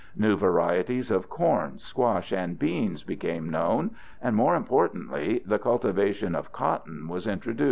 New varieties of corn, squash, and beans became known, and, more importantly, the cultivation of cotton was introduced.